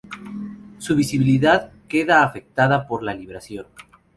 Su visibilidad queda afectada por la libración.